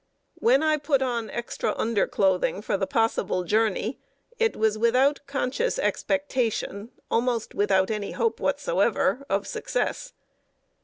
When I put on extra under clothing for the possible journey, it was without conscious expectation almost without any hope whatever of success.